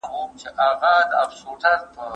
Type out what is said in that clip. زه اوس سبزیجات جمع کوم،